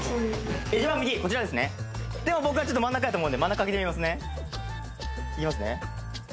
こちらですねでも僕は真ん中やと思うんで真ん中あけてみますねいきますね